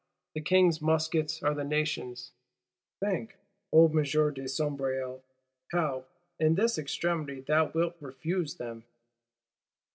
The King's muskets are the Nation's; think, old M. de Sombreuil, how, in this extremity, thou wilt refuse them!